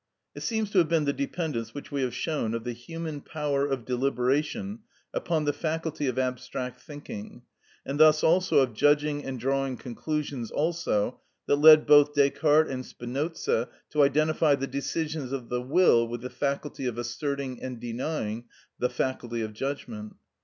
It seems to have been the dependence, which we have shown, of the human power of deliberation upon the faculty of abstract thinking, and thus also of judging and drawing conclusions also, that led both Descartes and Spinoza to identify the decisions of the will with the faculty of asserting and denying (the faculty of judgment).